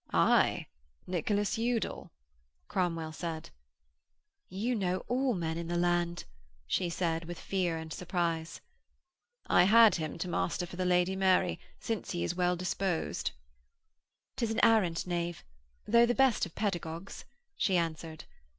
'Aye, Nicholas Udal,' Cromwell said. 'You know all men in the land,' she said, with fear and surprise. 'I had him to master for the Lady Mary, since he is well disposed.' ''Tis an arrant knave tho' the best of pedagogues,' she answered.